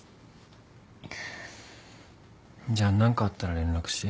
じゃあ何かあったら連絡して。